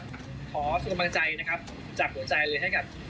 ขอส่งกำลังใจนะครับจับหัวใจเลยให้กับ